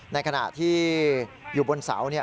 ในขณะที่อยู่บนเสา